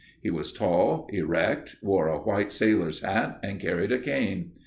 He was tall, erect, wore a white sailor's hat and carried a cane.